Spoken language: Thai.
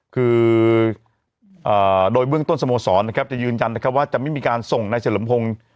คือโดยเบื้องต้นสโมสรนะครับจะยืนยันนะครับว่าจะไม่มีการส่งนายเฉลิมพงศ์